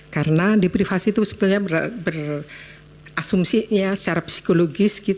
karena deprivasi itu sebenarnya berasumsinya secara psikologis